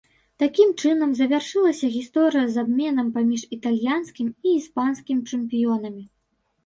Такім чынам, завяршылася гісторыя з абменам паміж італьянскім і іспанскім чэмпіёнамі.